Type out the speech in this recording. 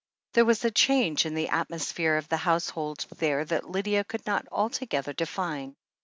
There was a change in the atmosphere of the house hold there that Lydia could not altogether define.